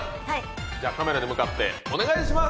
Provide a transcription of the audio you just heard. じゃあカメラに向かってお願いします！